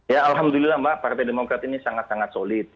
ya alhamdulillah mbak partai demokrat ini sangat sangat solid